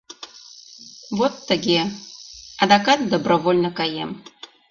Вот тыге... адакат добровольно каем!